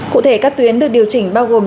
cụ thể các tuyến được điều chỉnh bao gồm